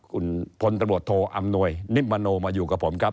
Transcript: คุณพลตำรวจโทอำนวยนิมมโนมาอยู่กับผมครับ